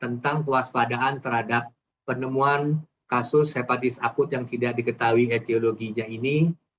tentang kewaspadaan terhadap penemuan kasus hepatitis akut yang tidak diketahui etiologinya ini